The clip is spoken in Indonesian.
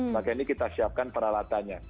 maka ini kita siapkan peralatannya